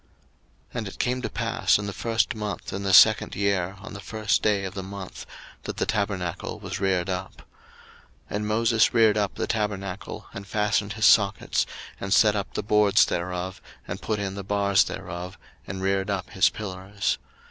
02:040:017 And it came to pass in the first month in the second year, on the first day of the month, that the tabernacle was reared up. 02:040:018 And Moses reared up the tabernacle, and fastened his sockets, and set up the boards thereof, and put in the bars thereof, and reared up his pillars.